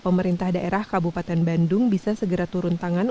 pemerintah daerah kabupaten bandung bisa segera turun tangan